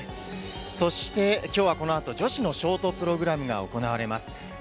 そして、きょうはこのあと、女子のショートプログラムが行われます。